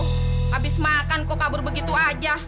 habis makan kok kabur begitu aja